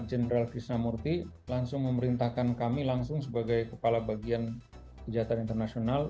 dan jenderal krishnamurti langsung memerintahkan kami langsung sebagai kepala bagian kejahatan internasional